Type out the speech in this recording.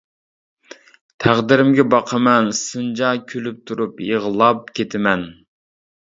تەقدىرىمگە باقىمەن سىنجا كۈلۈپ تۇرۇپ يىغلاپ كېتىمەن.